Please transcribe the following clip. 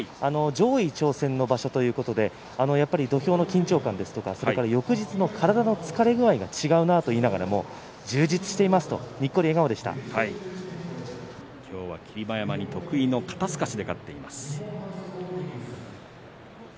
上位挑戦の場所ということでやっぱり土俵の緊張感、翌日の体の疲れ具合が違うなと言いながらも充実していますと今日は霧馬山に得意の肩すかしで勝ちました。